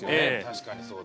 確かにそうだ。